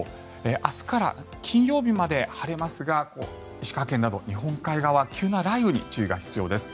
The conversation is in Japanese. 明日から金曜日まで晴れますが石川県など日本海側急な雷雨に注意が必要です。